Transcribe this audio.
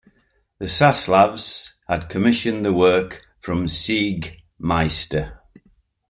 The Saslavs had commissioned the work from Siegmeister.